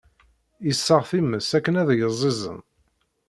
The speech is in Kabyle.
Yessaɣ times akken ad yeẓẓiẓen.